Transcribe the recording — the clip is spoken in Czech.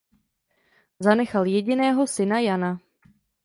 Zanechal jediného syna Jana.